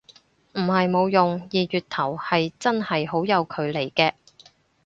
唔係冇用，二月頭係真係好有距離嘅